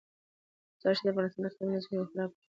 مزارشریف د افغانستان د اقلیمي نظام یو خورا ښه ښکارندوی دی.